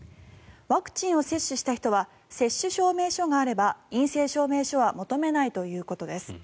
ワクチンを接種した人は接種証明書があれば陰性証明書は求めないということです。